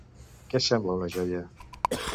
Què sembla una joia?